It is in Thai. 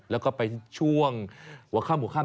แล้วก็ไปช่วงหัวข้าม